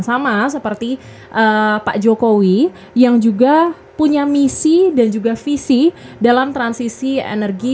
sama seperti pak jokowi yang juga punya misi dan juga visi dalam transisi energi